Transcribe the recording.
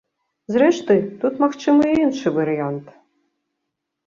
Зрэшты, тут магчымы і іншы варыянт.